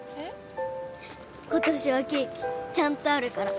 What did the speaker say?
ことしはケーキちゃんとあるから。